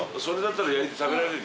それだったら。